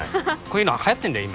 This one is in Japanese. こういうのがはやってんだよ